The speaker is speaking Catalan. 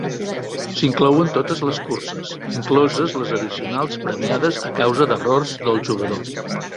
S'inclouen totes les curses, incloses les addicionals premiades a causa d'errors del jugador.